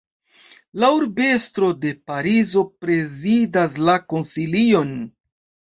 La urbestro de Parizo prezidas la konsilion.